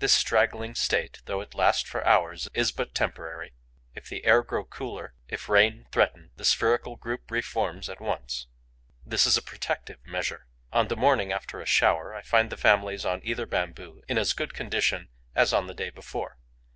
This straggling state, though it last for hours, is but temporary. If the air grow cooler, if rain threaten, the spherical group reforms at once. This is a protective measure. On the morning after a shower, I find the families on either bamboo in as good condition as on the day before.